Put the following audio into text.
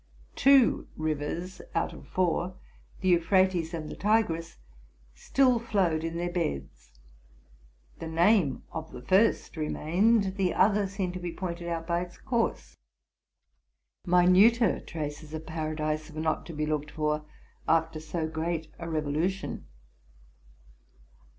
Two rivers out of four, the Euphrates and Tigris, still flowed in their beds. The name of the first remained: the other seemed to be pointed out by its course. Minuter traces of paradise were not to be looked for after so great a revo lution.